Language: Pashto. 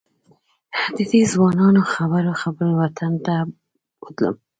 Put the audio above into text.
ددې ځوانانو خبرو خپل وطن ته بوتلم.